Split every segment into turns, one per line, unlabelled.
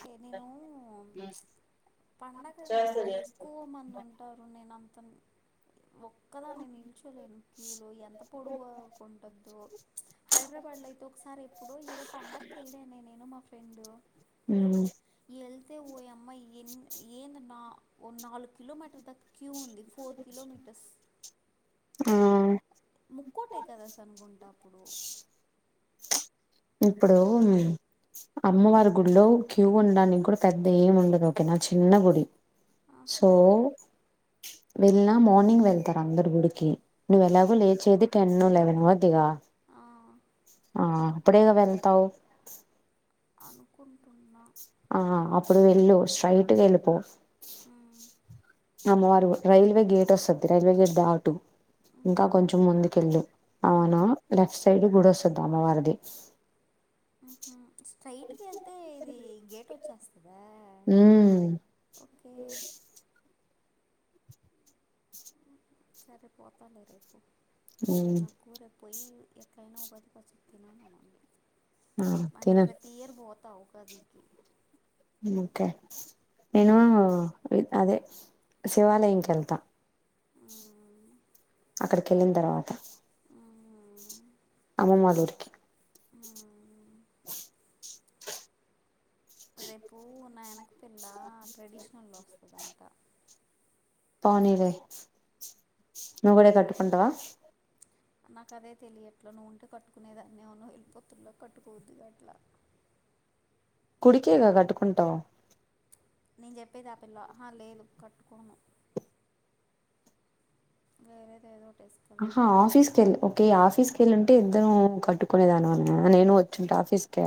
అది నేను పండగ కదా
చేస్తా చేస్తా
ఎక్కువ మంది ఉంటారు నేను అంత ఒక్కదాన్ని నిల్చోలేను క్యూలు ఎంత పొడుగు ఉంటదో హైదరాబాద్ లో అయితే ఒకసారి ఎప్పుడో ఏదో పండకు ఎల్లానే నేను మా ఫ్రెండ్ వెళ్తే ఓ యమ్మ ఎన్ ఏంది నా ఓ నాలుగు కిలో మీటర్ల దాక క్యూ ఉంది ఫోర్ కిలోమీటర్స్
ఆ
ముక్కోటి ఏకాదశి అనుకుంటా అప్పుడు
ఎప్పుడో ఉన్నాయ్ అమ్మవారి గుడిలో క్యూ ఉండడానికి కూడా పెద్దగా ఏమి ఉండదు ఓకే నా చిన్న గుడి సో
ఆహా
వెళ్లిన మార్నింగ్ వెళ్తారు అందరు గుడికి నువ్వు ఎలాగో
ఓ-
లేచేది టెన్ లెవెన్ అవ్వుది గా
ఆ
ఆ అప్పుడేగా వెళ్తావు
అనుకుంటుం
ఆ అప్పుడు వెళ్ళు స్ట్రైట్గా వెళ్ళిపో
ఉమ్,
అమ్మ వారు రైల్వే గేట్ వస్తది రైల్వే గేట్ దాటు ఇంకా
ఉహు,
కొంచెం ముందుకెళ్ళు
ఉమ్.
అవునా లెఫ్ట్ సైడ్ గుడో చుద్ది అమ్మవారిది
ఉమ్ హు స్ట్రైట్ గా వెళ్తే ఇది గేట్ వచ్చేస్తదా
ఉమ్
ఓకే సరే పోతలే రేపు
ఉమ్
నాకు రేపు పోయి ఎట్లైనా ఉగాది పచ్చడి తినాలని ఉంది
ఆ
అంటే
తిను
ప్రతి ఇయర్ పోతావ్ పదికి
ఇంకా నేను
అందుకే.
అదే శివాలయంకెళ్తా
హ్మ్.
అక్కడికి వెళ్ళిన తర్వాత
హ్మ్.
అమ్మమ్మ వాళ్ళ ఊరికి
ఊ మ్
ఇ
రేపు నా ఎనక పిల్ల ట్రెడిషనల్లో వస్తదంటా
రానిలే నువ్ కూడా కట్టుకుంటావా
నాకదే తెలియట్లా నువ్వు ఉంటే కట్టుకునేదనేమో నువ్ వెళ్లిపొతున్నావ్ కట్టుకోబుద్ధి కావట్ల [unintelligible] [unintelligible]
గుడికేగా కట్టుకుంటావు
నేను చెప్పేది ఆ పిల్ల హా లేదు కట్టుకోను వేరేదేదోట్
అహా ఆఫీస్ కెల్లి ఓకే ఆఫీస్క్ ఎళ్లుంటే ఇద్దరం కట్టుకునేదానివేమోనే, నేను ఒచ్చుంటె ఆఫీస్ కే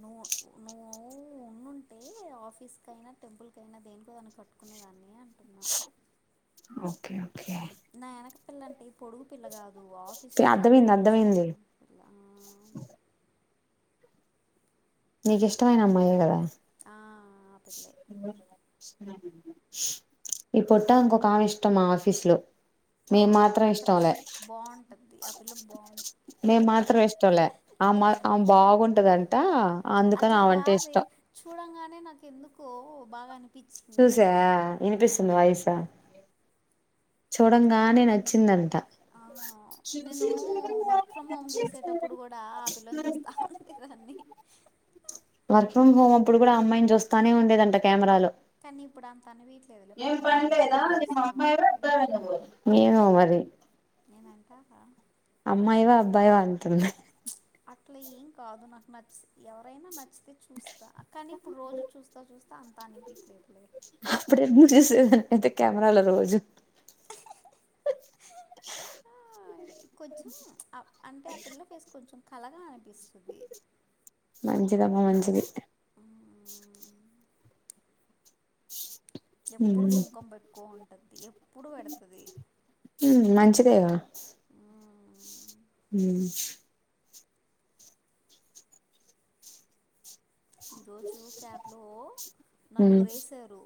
నువ్ నువ్వు ఉండుంటే ఆఫీస్ కైనా టెంపుల్ కైనా దేనికోదానికి క్కట్టుకునేదాన్ని
ఓకే ఓకే
నా ఎనకపిల్లంటే ఈ పొడుగు పిల్ల గాదు, ఆఫీస్ లో నా ఎనక
అర్థమైంది అర్థమైంది
కూర్చుంటాందే పిల్ల ఆ
నీకిష్టమైన అమ్మాయే గదా
ఆ ఆ పిల్లే
[unintelligible] ఈ పొట్టమెకొకామే ఇష్టం మా ఆఫీస్ లో
ఆ
మేము మాత్రం
క్రష్
ఇష్టంలే
బావుంట్టద్ది, ఆ పిల్ల బావున్ అంటే
ఆమ ఆమె బాగుంటదంటా, అందుకని
అట్లా
ఆమంటే
కాదే
ఇష్టం.
చూడంగానే నాకు ఎందుకో బాగ అనిప్
చూసావా? ఇనిపిస్తుంద వాయిస్స్ చూడంగానే నచ్చిందంట
ఆ నేనూ వర్క్ ఫ్రమ్ హోమ్ జేసేటప్పుడు గూడా ఆ పిల్లన్ చూస్తా ఉండేదాన్ని అవు
వర్క్ ఫ్రమ్ హోమ్ అప్పుడు గూడ అమ్మాయిని చూస్తానే ఉండేదంట కేమెరాలు
కనీ ఇప్పుడంతన్
ఏమో
ఉంటే
మరి
నేనంటా హా
అమ్మాయివ అబ్బాయివ అంటుంది
అట్ల ఏం కాదు నాకు నచ్చి ఎవరైనా నచ్చితే చూస్తా కనీ ఇప్పుడు రోజు చూస్తా చూస్తా అంత అనిపిట్లేదులే.
అప్పుడు ఎందుకు చూసేదాన్ని అయితే కెమెరాల రోజు
ఆ కొంచెం ఆ అంటే ఆ పిల్ల ఫేస్ కొంచెం కలగా అనిపిస్తది
మంచిదమ్మ మంచిది
ఎప్పుడు కుంకం బేట్టుకోన్ ఉంటది, ఎప్పుడు పెడతది.
తేనా హ్మ్
ఈ రోజు క్యాబ్ లో నలుగురేసారు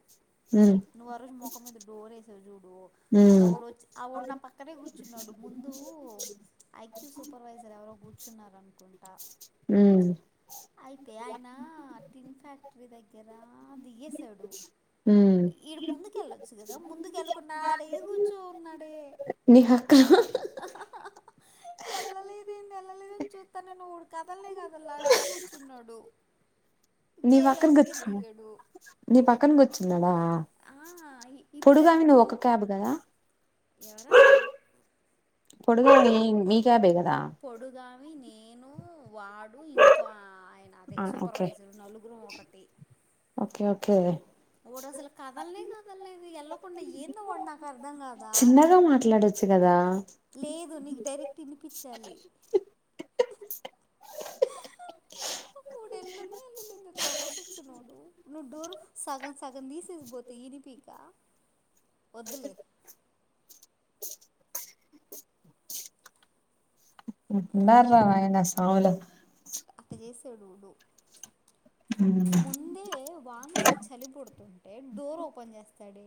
నువ్వారోజు మోఖం మీద డోరేసావ్ జూడూ అలా ఓడు వచ్చి ఆ వోడు నా పక్కనే గుర్ర్చున్నాడు, ముందూ ఐ క్యూ సూపర్వైజర్ ఎవరో గూర్చ్ ర్చున్నరన్కుంటా అయితే ఆయన ఆ టిన్ ఫ్యాక్టరీ దగ్గర దిగేసాడు ఈడు ముందుకెళ్ళొచ్చు గదా, ముందుకెళ్ళకుండా ఆడే కూర్చో ఉన్నాడే.
నీ పక్కన
ఎల్లలేదెంది ఎల్లలేదెంది చూత్తాన నువుడ్త్ కదల్నే కదల్లాడే కూర్చున్నాడు
నీ
కేఎల్ఎం
పక్కన
దగ్గర
గుచ్చ్,
దిగాడు
నీ పక్కన గుర్చున్నాడా?
ఆ ఈ ఈ పిల్ల
పొడుగామే నువ్
ఎప్పుడు
ఒక క్యాబ్ గదా
ఎవరా
పొడుగామే నీ క్యాబే గద్
పొడుగాం వాడు ఇంకో ఆయన అదే
ఆ ఓకే
సూపర్వైజరు నలుగురుమ్ ఒకటి
ఓకే ఓకే
వాడసలు కదల్నే కదల్లేదు ఎళ్లకుండ ఏందో వాడు నాకర్ధం గాదా
ట్లాడొచ్చు గదా
లేదు నీకు డైరెక్ట్ తినిపించాలి [unintelligible] దొంగసచ్చినోడు నువ్వు డోరు సగంసగం తీసేసి పోతే ఇనిపియ్యక వద్దులే
ఉన్నారా అయనా సావలే
వెసెడుడు ముందే వాన్ బడి చలి పుడుతుంటే డోర్ ఓపెన్ చేస్తాడు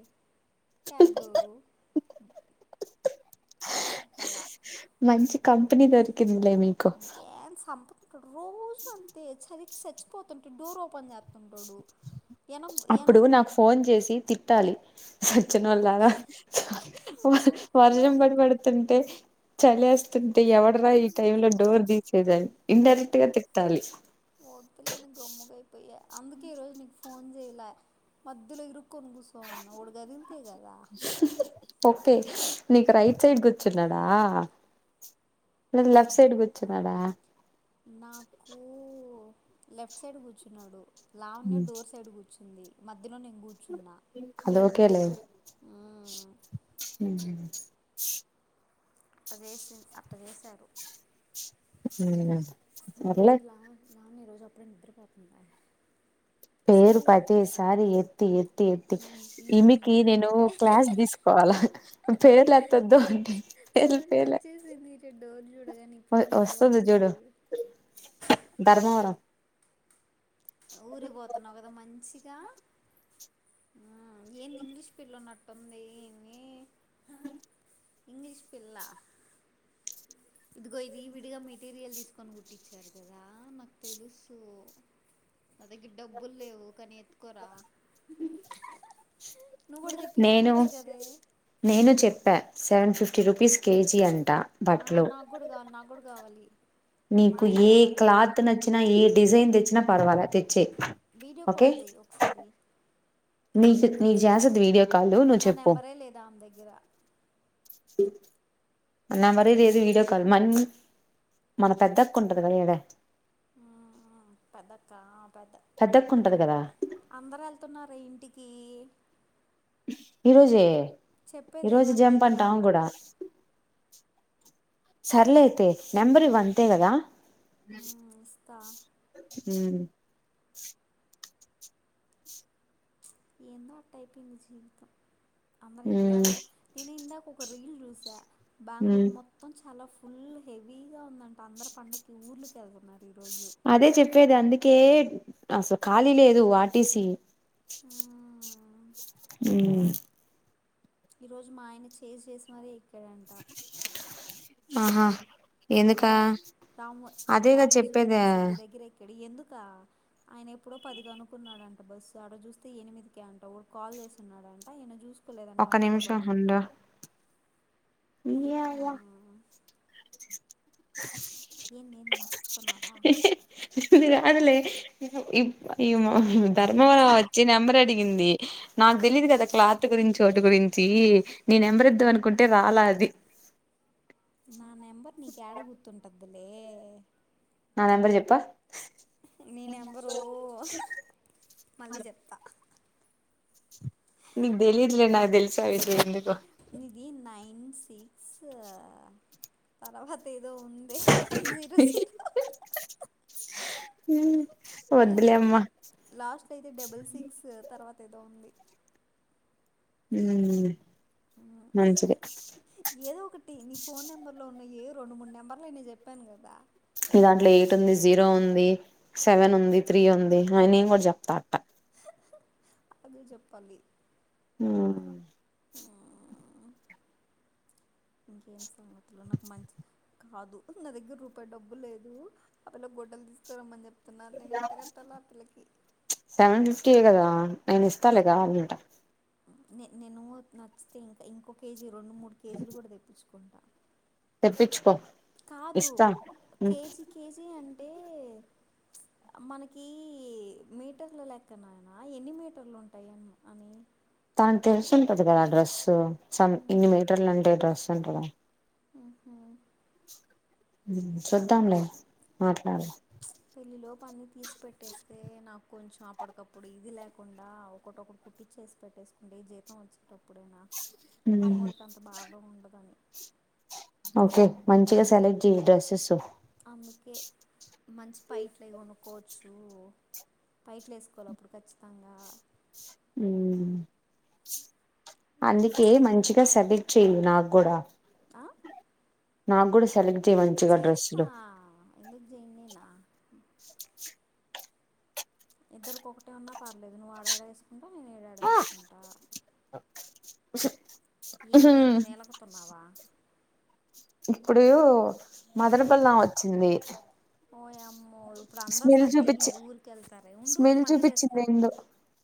క్యాబ్డోరు ఎదవా
మంచి కంపెనీ దొరికిందిలే మీకు
ఏం సంపుతుంటాడు రోజు అంతే చలీకి చచ్చిపోతుంటే డోర్ ఓపెన్ చేస్తుంటాడు వెనక్
అప్పుడు
వెనక్
నాకు ఫోన్ చేసి తిట్టాలి చ్చినళ్ళార
వద్దులే
వర్షం
అని
పడి పడుతుంటే చలిస్ స్తుంటే ఎవడరా ఈ టైమ్ లో డోర్ తీసేదనీ ఇండైరెక్ట్ గా తిటాలి
వద్దులేని గమ్ముగైపోయా అందుకే ఈ రోజు నీకు ఫోన్ లా మధ్యలో ఇరుకోను కూసున్నా వాడు గదిలితే కదా
ఓకే నీకు రైట్ సైడ్ కూర్చున్నాడా న లెఫ్ట్ సైడ్కి కూర్చున్నాడా
నాకు లెఫ్ట్ సైడ్ కూర్చున్నాడు లావణ్య డోర్ సైడ్ కూర్చుంది మధ్యలో నేను కూర్చు
అది ఒకేలే
మ్మ్. అట్ట చేసి అట్ట చేశారు
సర్లే
నన్న ఈరోజు అప్పుడే నిద్రపోతున్న
పేరు ప్రతిసారి ఎ ఎత్తి ఎత్తి ఎత్తి
ఈ
ఈమెకి నేను క్లాస్ తీసుకోవాలా పేర్లు ఎత్తొదు పోనీ పోన్లే
నీ డోరులు వేయనీయట్ల
వస్తుంది చూడు
నిద్రపోతుంది
ధర్మవరం
ఊరికుపోతున్నావు కదా మంచిగా హా ఏంది ఇంగ్లీష్ పిలునట్టుంది
అ
ఇంగ్లీష్ పిల్ల ఇదిగో ఇది విడిగా మెటీరియల్ తీసుకొని కుట్టి చ్చారు కదా నాకు తెలుసు నా దగ్గర డబ్బులు లేవు కానీ ఓకెరా నువ్వు కూడా
నేను
తెప్పించుకోవచ్చు కదే
నేను చెప్పా సెవెన్ ఫిఫ్టీ రూపీస్ కేజీ అన్ని
ఆ నాకు కూడా కావాలి నాకు కూడా కావాలి
నీకు
నాకే
ఏ
కావాలి ముందు
క్లాత్ నచ్చినా ఏ డిజైన్ తెచ్చినా పర్వాల తెచ్చే
వీడియో కాల్ చేయీ ఒకసారి
నే జసద వీడియో కాల్ నువ్వు
నా నెంబరే లేదు ఆమె దగ్గర
సే న్నె మరీది ఏదు వీడియో కాల్ మనీ మన పెద్ద అక్క ఉంది కదా అడ్డా
హా ఆ పెద్దక్క పెద్ద
పెద్దక్క ఉంటది కదా
అందరు వెళ్తున్నారె ఇంటికి
ఈరోజే
చెప్పేది
ఈరోజు
ఏమని
జంప్
నీకా
అంటా ఆమె కూడా సర్లే అయితే నంబర్ ఇవ్వు అంతే కదా
ఇస్తా
హ్మ్
ఏందో అట్టా అయిపొయింది జీవితం అందరు ఇండ్లకు నేను ఇందాక ఒక్క రీల్ చూసా బెంగళూరు
మ్మ్
మొత్తం చాలా ఫే ఫుల్ హెవీగా ఉందంట అందరు పండకి ఊర్లుకెళ్తున్నారు
అదే చెప్పేది అందుకే అస ఖాళీ లేదు వాటిసి
ఉమ్
ఉమ్
ఈ రోజు మా ఆయన చెస్ చేసి మరి ఎక్కడంట
ఆహా
ఎక్కడ
ఎందుకా
రామో ఈ
అదేగా
రామోజీ
చెప్పేది
ఫిలిం సిటీ దగ్గరేకడు ఎందుకా అయనెప్పుడో పదిగనుకున్నడాంట బస్సు ఆడ చూస్తే ఎనిమిదికె అంట ఒడు కాల్ చేస్తున్నాడంట ఇన చుస్
ఒక్క నిమిషం ఉండు నియ్యవ్వ
ఏందే ఏమన్నసుతన్నావా
[unintelligible] ఈ ఏమో ధర్మవర వచ్చి నెంబర్ అడిగింది నా నక్ దెలిదు గదా క్లాత్ గురించి ఒటి గురించి గీ నెంబర్ ఇద్దాం అనుకుంటే రాలే అది
స [inaudible] నా నెంబర్ నీకు ఏడ గుర్తుంటదిలే
నా నెంబర్ జెప్ప
నీ నెంబరు మళ్ళీ చెప్తా
నీకు తెలియదులే నాకు తెలుసు ఆ విషయం ఎందుకో
నిది నైన్ సిక్స్ తరవాత ఎన్
[unintelligible] వద్దులే
ఏందో
అమ్మా
ఉంది లాస్ట్ అయితే డబుల్ సిక్స్ తరవాత ఏదో ఉంది
ఏ
ఏదో ఒకటి నీ ఫోన్ నెంబర్ లో ఉన్న ఏ రెండు మూడు నంబర్లైన చెప్పాను కదా
ఇగ అట్ల ఎయిట్ ఉంది జీరో ఉంది సెవెన్ ఉంది త్రీ ఉంది అ నేన్ కూడా చెప్తా అట్ట
అదే చెప్పాలి
ఉమ్
హ్మ్. ఇంకేం సంగతులు నాకు మంచి కాదు నా దగ్గర రూపాయి డబ్బు లేదు ఆ పిల్లక్ హోటల్ తీస్కారమ్మని చెప్
సెవెన్ ఫిఫ్టీ ఏ గద నేనీస్తాలే కావాలంటే
నే నేను నచ్చితే ఇంకా ఇంకో కేజీ రెండు మూడు కేజీలు కూడా తెప్పించుకుంటా
ఏప్పిచ్చుకో
కాదు కేజీ కేజీ అంటే ఆ మనకి మీటర్ల లెక్కన ఎన్ని మీటర్లు ఉంటాయి అని
డ్రెస్సింటది కదా ఆ డ్రెస్ సం
ఉమ్,
ఇన్ని మీటర్లు అంటే డ్రెస్ ఉంటదా
ఉహు
చూద్దాంలే మాట్లాడు
పెళ్లిలో పని తీసి పెట్టేస్తే నక్ కొంచెం అప్పటికప్పుడు ఇది లేకుండా ఒకటొకటి కుట్టిచ్చేసి పెట్టేసుకుంటే జీతం వచ్చి టప్పుడైనా మా అమ్మోళ్ళకి అంత బాదుండదన్
ఓకే మంచిగా సెలెక్ట్ చెయ్ డ్రెస్సెస్
అందుకే మంచి పైట్లయి కొనుక్కోవచ్చు పైట్లు ఏసుకో లోపల ఖచ్చితంగా
ఉమ్ అందుకే మంచిగా సెలెక్ట్ చేయీ నగ్గూడ
ఆ
నాక్ కూడా సెలెక్ట్ చేయి మంచిగా డ్రెస్సులు
ఎందుక్జేనేనా ఇద్దరికొకటె ఉన్నా పర్లేదు నువ్వు ఆడాడ ఏసుకుంటా నేను ఇడాడ ఏసుకుంటా ఎంద్ ఏంది నేలగుతున్నావా
ఇప్పుడు మదనపల్లం వచ్చింది
ఓయమ్మో ఇప్పుడు అందరు
స్మెల్
సర్ది
చూపించి
ఊరిక వెళ్తారా ఉండు
స్మెల్
మళ్ళీ
చూపించింది
చేస్తా
ఏందో